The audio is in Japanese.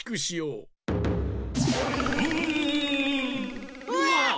うわ！